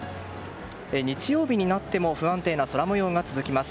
日曜日になっても不安定な空模様が続きます。